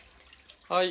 はい。